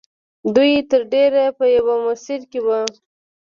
دوی تر ډېره په یوه مسیر کې وو